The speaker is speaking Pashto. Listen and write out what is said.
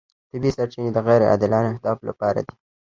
طبیعي سرچینې د غیر عادلانه اهدافو لپاره دي.